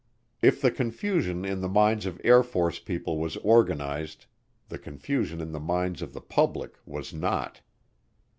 If the confusion in the minds of Air Force people was organized the confusion in the minds of the public was not.